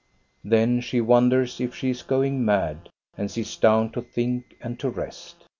Then she wonders if she is going mad, and sits down to think and to rest.